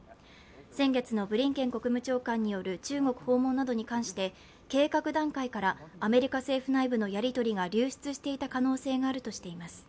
先月のブリンケン国務長官による中国訪問などに関して計画段階からアメリカ政府内部のやり取りが流出していた可能性があるとしています。